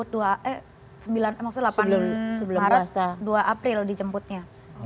dari delapan maret dua april dijemputnya